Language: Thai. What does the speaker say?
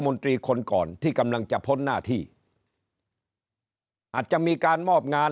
นตรีคนก่อนที่กำลังจะพ้นหน้าที่อาจจะมีการมอบงาน